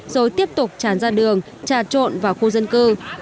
rồi tiếp tục tràn ra đường trà trộn vào khu dân cư